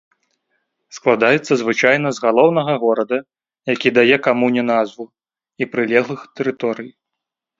Складаецца звычайна з галоўнага горада, які дае камуне назву, і прылеглых тэрыторый.